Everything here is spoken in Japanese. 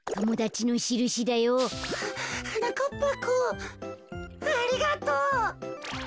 あはなかっぱくんありがとう。